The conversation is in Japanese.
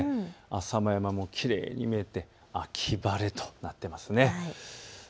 浅間山もきれいに見えて秋晴れとなっています。